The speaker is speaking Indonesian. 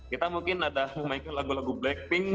kita mungkin ada memainkan lagu lagu blackpink